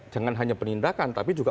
jangan hanya penindakan tapi juga